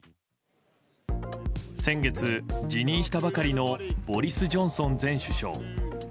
先月、辞任したばかりのボリス・ジョンソン前首相。